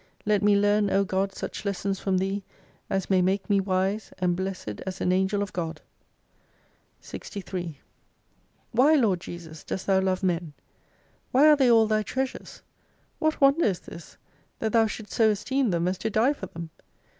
Let me learn, O God, such lessons from Thee, as may make me wise, and blessed as an Angel of GOD ! 63 Why, Lord Jesus, dost Thou love men ; vhy are they all Thy treasures ? What wonder is this, that Thou shouldst so esteem them as to die for them